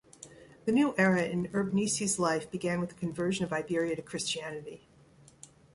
The new era in Urbnisi's life began with the conversion of Iberia to Christianity.